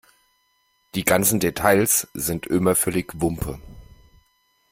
Die ganzen Details sind Ömer völlig wumpe.